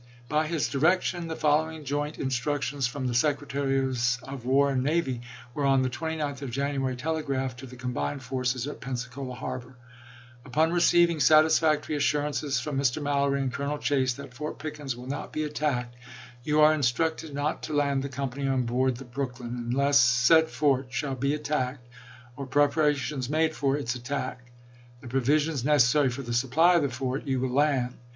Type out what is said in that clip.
By his direction the following joint instructions from the Secre i86i. taries of War and Navy were on the 29th of Janu ary telegraphed to the combined forces at Pensacola Harbor: "Upon receiving satisfactory assurances from Mr. Mallory and Colonel Chase that Fort Pickens will not be attacked, you are instructed not to land the company on board the Brooklyn, unless said fort shall be attacked, or preparations made for its attack. The provisions necessary for the supply of the fort you will land.